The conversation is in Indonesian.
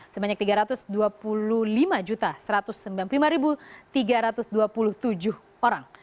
sebanyak tiga ratus dua puluh lima satu ratus sembilan puluh lima tiga ratus dua puluh tujuh orang